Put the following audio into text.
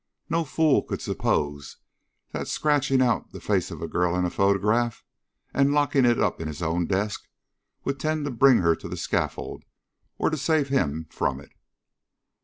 No fool could suppose that scratching out the face of a girl in a photograph and locking it up in his own desk, would tend to bring her to the scaffold, or save him from it."